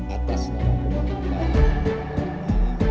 atas nama pemerintah